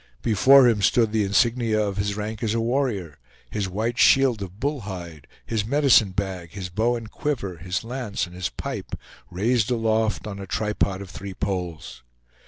Before him stood the insignia of his rank as a warrior, his white shield of bull hide, his medicine bag, his bow and quiver, his lance and his pipe, raised aloft on a tripod of three poles.